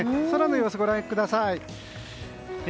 空の様子をご覧ください。